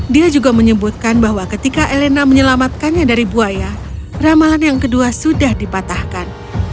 dia juga menyebutkan bahwa ketika elena menyelamatkannya dari buaya ramalan yang kedua sudah dipatahkan